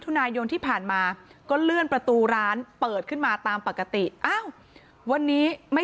ตอนต่อไป